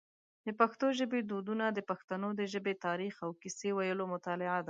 د پښتو ژبی دودونه د پښتنو د ژبی تاریخ او کیسې ویلو مطالعه ده.